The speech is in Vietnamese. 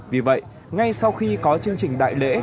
vì vậy ngay sau khi có chương trình đại lễ